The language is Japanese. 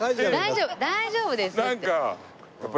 大丈夫大丈夫ですって。